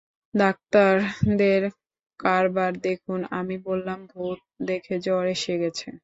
ডাক্তারদের কারবার দেখুন, আমি বললাম, ভূত দেখে জ্বর এসে গেছে।